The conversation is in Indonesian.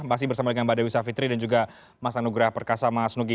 pasti bersama dengan mbak dewi savitri dan juga mas anugrah perkasa mas nugi